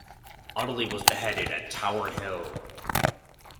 Audley was beheaded at Tower Hill.